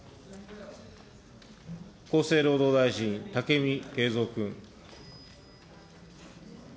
厚生労働大臣、武見敬三君。